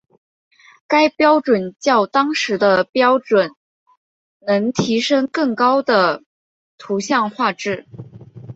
该标准较当时的标准能提升更高的图像画质。